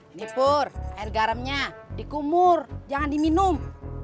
ini pur air garamnya dikumur jangan diminum